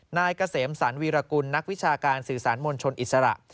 นายเกษมสรรวีรกุลนักวิชาการสื่อสารมวลชนอิสระ